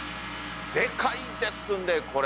でかいですねこれ。